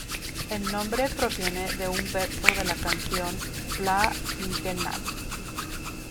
El nombre proviene de un verso de la canción "Pla quinquenal".